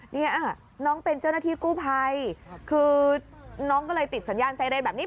เนี่ยน้องเป็นเจ้าหน้าที่กู้ภัยคือน้องก็เลยติดสัญญาณไซเรนแบบนี้